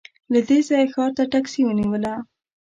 له دې ځايه ښار ته ټکسي ونیوله.